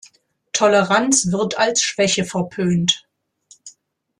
Toleranz wird als Schwäche verpönt.